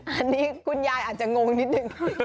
อันนี้คุณยายอาจจะงงนิดนึง